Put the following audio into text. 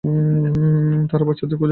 তারা বাচ্চাদের খুঁজে পেয়েছে!